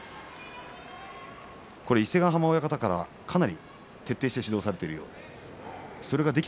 伊勢ヶ濱親方からはかなり徹底して指導をされているということです。